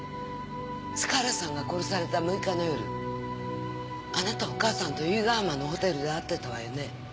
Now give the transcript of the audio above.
塚原さんが殺された６日の夜あなたお母さんと由比ヶ浜のホテルで会ってたわよね？